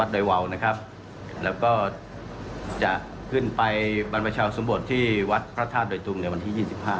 บทวันที่๒๕และก็จะขึ้นไปบรรพชาอุปสรมบทที่วัดพระธาตุดอยตุมวันที่๒๕